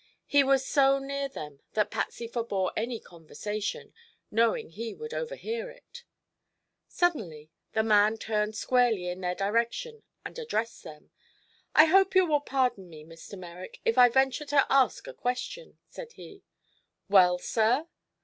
He was so near them that Patsy forbore any conversation, knowing he would overhear it. Suddenly the man turned squarely in their direction and addressed them. "I hope you will pardon me, Mr. Merrick, if I venture to ask a question," said he. "Well, sir?"